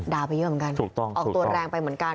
ดาวไปเยอะเหมือนกันออกตัวแรงไปเหมือนกัน